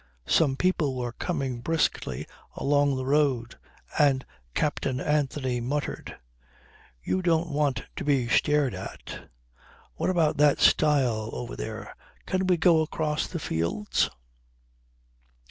Some people were coming briskly along the road and Captain Anthony muttered: "You don't want to be stared at. What about that stile over there? Can we go back across the fields?"